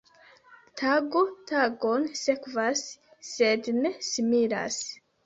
Tago tagon sekvas, sed ne similas.